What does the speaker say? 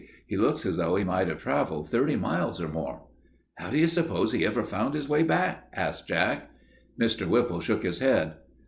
He looks as though he might have traveled thirty miles or more." "How do you s'pose he ever found his way back?" asked Jack. Mr. Whipple shook his head.